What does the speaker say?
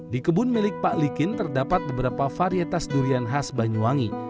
di kebun milik pak likin terdapat beberapa varietas durian khas banyuwangi